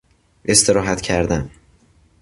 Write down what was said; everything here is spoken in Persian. استراحت کردن